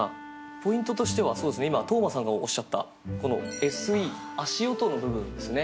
ポイントとしては今當真さんがおっしゃったこの「ＳＥ」足音の部分ですね。